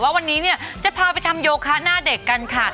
วันนี้เนี่ยจะพาไปทำโยคะหน้าเด็กกันค่ะ